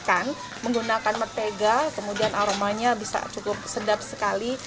kita bisa menggunakan martabak mie kemudian aromanya bisa cukup sedap sekali